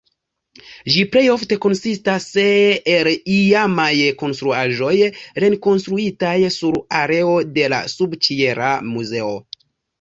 Ĝi plej ofte konsistas el iamaj konstruaĵoj, rekonstruitaj sur areo de la subĉiela muzeo.